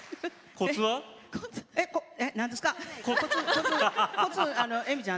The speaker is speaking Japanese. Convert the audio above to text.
コツえみちゃん